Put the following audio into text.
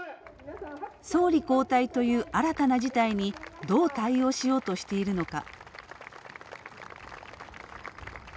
総理交代という新たな事態にどう対応しようとしているのか。